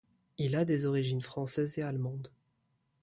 Il a des origines françaises et allemandes.